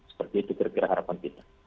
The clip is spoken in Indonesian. seperti itu kira kira harapan kita